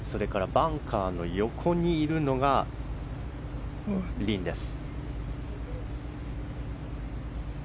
バンカーの横にいるのがリンです。